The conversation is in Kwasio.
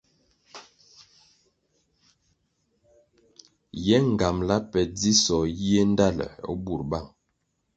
Ye ngambala pe dzisoh yiéh ndtaluer o bur bang.